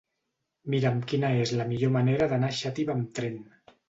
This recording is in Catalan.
Mira'm quina és la millor manera d'anar a Xàtiva amb tren.